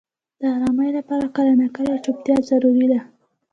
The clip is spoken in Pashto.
• د آرامۍ لپاره کله ناکله چوپتیا ضروري ده.